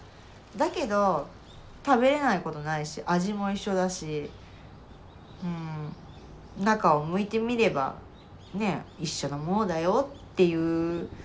だけど食べれないことないし味も一緒だしうん中をむいてみればねえ一緒のものだよっていう。